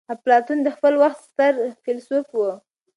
اپلاتون د خپل وخت ستر فيلسوف وو.